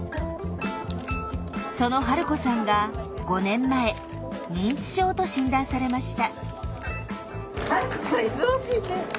その治子さんが５年前認知症と診断されました。